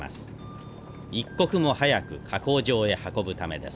一刻も早く加工場へ運ぶためです。